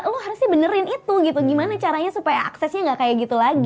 lo harusnya benerin itu gitu gimana caranya supaya aksesnya gak kayak gitu lagi